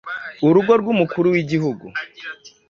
urugo rw’umukuru w’igihugu .